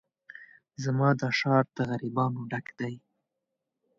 زما دا ښار د غريبانو ډک دی